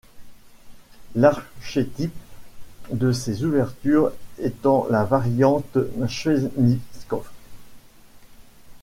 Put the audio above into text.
L'archétype de ces ouvertures étant la variante Svechnikov.